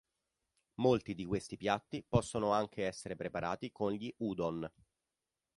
Molti di questi piatti possono anche essere preparati con gli "udon".